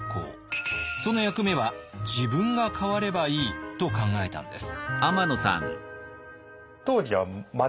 その役目は自分が代わればいい」と考えたんです。